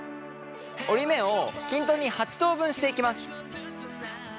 折り目を均等に８等分していきます。